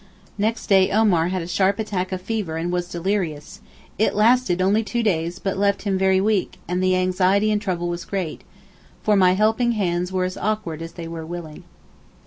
Next day Omar had a sharp attack of fever and was delirious—it lasted only two days but left him very weak and the anxiety and trouble was great—for my helping hands were as awkward as they were willing.